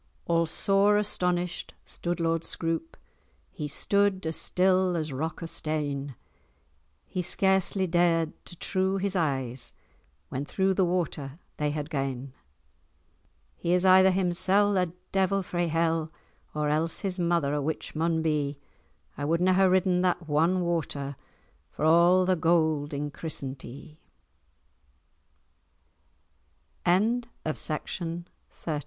All sore astonished stood Lord Scroope, He stood as still as rock of stane; He scarcely dared to trew[#] his eyes, When through the water they had gane. [#] Trust 'He is either himsell a devil frae hell, Or else his mother a witch maun be; I wadna have ridden that wan water, For a' the gowd[#] in Christenti